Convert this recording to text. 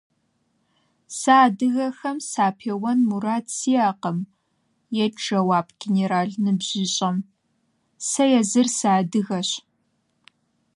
Сэ адыгэхэм сапеуэн мурад сиӀакъым, – ет жэуап генерал ныбжьыщӀэм. – Сэ езыр сыадыгэщ.